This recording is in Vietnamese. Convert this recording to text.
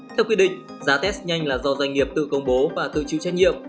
theo quy định giá test nhanh là do doanh nghiệp tự công bố và tự chịu trách nhiệm